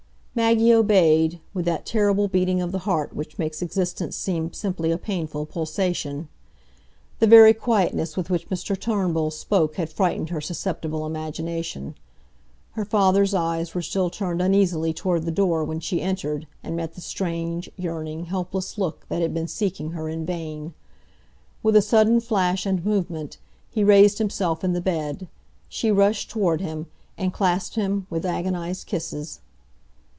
Maggie obeyed, with that terrible beating of the heart which makes existence seem simply a painful pulsation. The very quietness with which Mr Turnbull spoke had frightened her susceptible imagination. Her father's eyes were still turned uneasily toward the door when she entered and met the strange, yearning, helpless look that had been seeking her in vain. With a sudden flash and movement, he raised himself in the bed; she rushed toward him, and clasped him with agonised kisses.